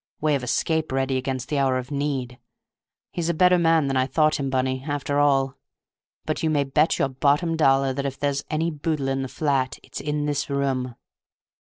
Way of escape ready against the hour of need; he's a better man than I thought him, Bunny, after all. But you may bet your bottom dollar that if there's any boodle in the flat it's in this room."